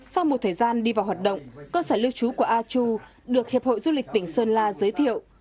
sau một thời gian đi vào hoạt động cơ sở lưu trú của a chu được hiệp hội du lịch tỉnh sơn la giới thiệu